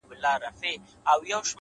هر منزل د هڅو ثبوت غواړي’